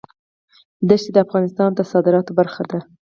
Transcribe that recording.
دښتې د افغانستان د صادراتو برخه ده.